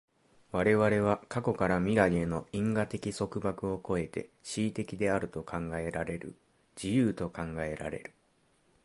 我々は過去から未来への因果的束縛を越えて思惟的であると考えられる、自由と考えられる。